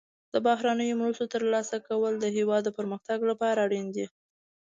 د بهرنیو مرستو ترلاسه کول د هیواد د پرمختګ لپاره اړین دي.